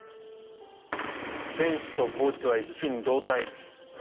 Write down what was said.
選手とコーチは一心同体。